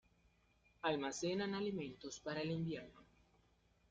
Almacenan alimentos para el invierno.